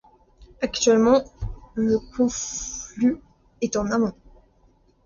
Actuellement le confluent est en amont.